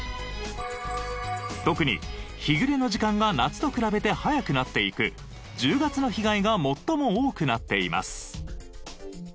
特に日暮れの時間が夏と比べて早くなっていく１０月の被害が最も多くなっています。